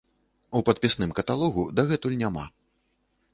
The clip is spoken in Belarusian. У падпісным каталогу дагэтуль няма.